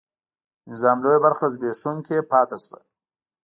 د نظام لویه برخه زبېښونکې پاتې شوه.